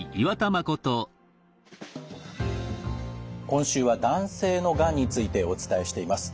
今週は男性のがんについてお伝えしています。